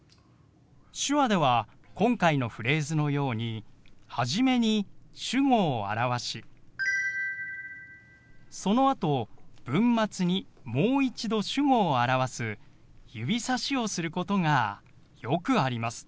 手話では今回のフレーズのように始めに主語を表しそのあと文末にもう一度主語を表す指さしをすることがよくあります。